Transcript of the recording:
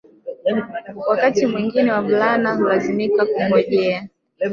Wakati mwingine wavulana hulazimika kungojea